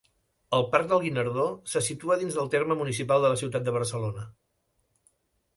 El Parc del Guinardó se situa dins del terme municipal de la ciutat de Barcelona.